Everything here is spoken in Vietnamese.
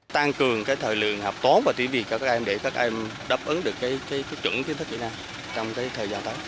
tăng cường thời lượng học tố và thí vị các em để các em đáp ứng được cái chuẩn kiến thức kỹ năng trong thời gian tới